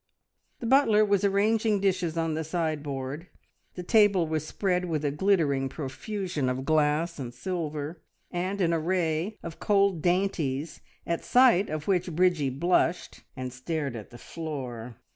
The butler was arranging dishes on the sideboard, the table was spread with a glittering profusion of glass and silver, and an array of cold dainties, at sight of which Bridgie blushed, and stared at the floor.